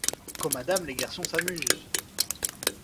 Comadame les garçons s’amusent !